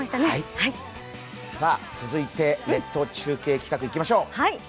続いて、列島中継企画いきましょう。